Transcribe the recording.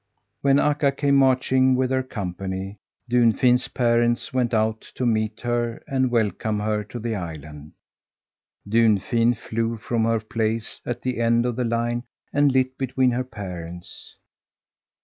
When Akka came marching with her company, Dunfin's parents went out to meet her and welcome her to the island. Dunfin flew from her place at the end of the line and lit between her parents.